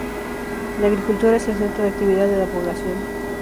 La agricultura es el centro de actividad de la población.